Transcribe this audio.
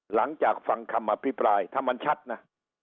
หลังจากฟังคำอภิปรายถ้ามันชัดนะ